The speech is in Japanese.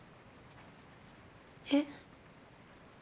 えっ？